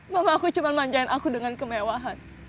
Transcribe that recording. mama aku cuma manjakan aku dengan kemewahan